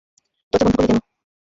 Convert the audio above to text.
দরজা বন্ধ করলে কেনো?